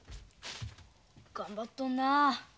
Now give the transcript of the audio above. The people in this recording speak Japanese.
頑張っとんなあ。